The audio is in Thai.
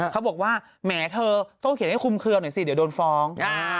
เขาบอกว่าแหมเธอต้องเขียนให้คุมเคลือหน่อยสิเดี๋ยวโดนฟ้อง